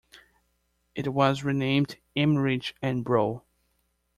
It was renamed M. Rich and Bro.